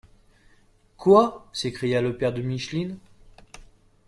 —Quoi !» s’écria le père de Micheline.